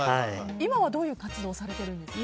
今は、どういう活動をされてるんですか？